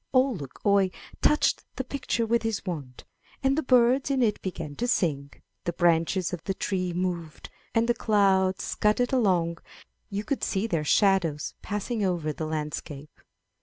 Ole Luk oie touched the picture with his wand, and the birds in it began to sing, the branches of the trees moved, and the clouds scudded along; you could see their shadows passing over the landscape.